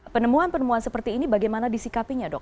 penemuan penemuan seperti ini bagaimana disikapinya dok